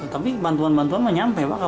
tapi bantuan bantuan menyampaikan